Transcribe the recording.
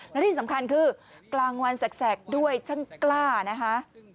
และที่สำคัญคือกลางวันแสกด้วยช่างกล้านะคะ